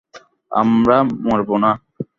আমরা মরবো না।